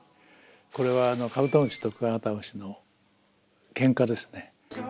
これはカブトムシとクワガタムシのケンカですね。